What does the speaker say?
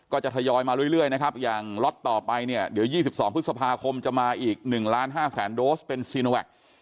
จะทยอยมาเรื่อยนะครับอย่างล็อตต่อไปเนี่ยเดี๋ยว๒๒พฤษภาคมจะมาอีก๑ล้าน๕แสนโดสเป็นซีโนแวค